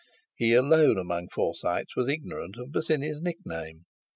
He alone among Forsytes was ignorant of Bosinney's nickname.